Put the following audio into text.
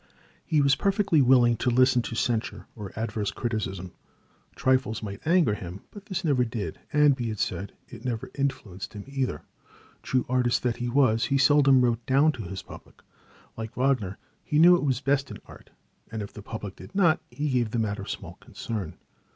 He was perfectly willing to listen to censure or adverse criticism. Trifles might anger him, but this never did, and, be it said, it never influenced him either. True artist that he was, he seldom wrote down to his public. Like Wagner, he knew what was best in art, and if the public did not, he gave the matter small concern.